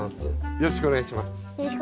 よろしくお願いします。